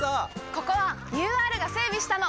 ここはＵＲが整備したの！